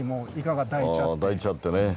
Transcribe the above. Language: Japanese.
あぁ抱いちゃってね。